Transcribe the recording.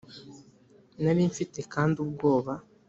Nari mfite kandi ubwoba